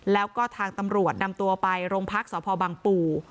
แล้วก็ทางตำรวจนำตัวไปโรงพักษพบังปู่